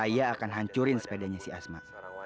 saya akan hancurin sepedanya si asma